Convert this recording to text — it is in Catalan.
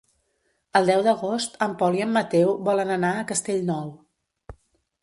El deu d'agost en Pol i en Mateu volen anar a Castellnou.